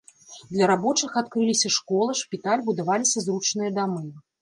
Для рабочых адкрыліся школа, шпіталь, будаваліся зручныя дамы.